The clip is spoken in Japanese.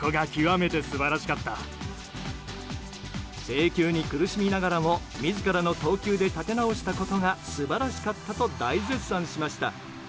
制球に苦しみながらも自らの投球で立て直したことが素晴らしかったと大絶賛しました。